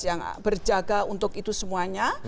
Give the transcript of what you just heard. yang berjaga untuk itu semuanya